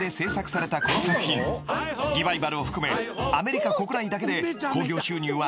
［リバイバルを含めアメリカ国内だけで興行収入は］